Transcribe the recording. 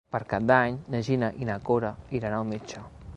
Per Cap d'Any na Gina i na Cora iran al metge.